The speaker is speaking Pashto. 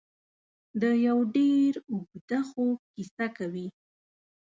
د یو ډېر اوږده خوب کیسه کوي.